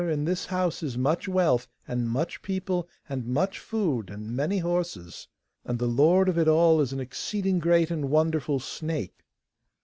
in this house is much wealth, and much people, and much food, and many horses. And the lord of it all is an exceeding great and wonderful snake.